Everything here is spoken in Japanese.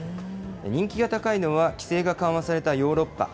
人気が高いのは、規制が緩和されたヨーロッパ。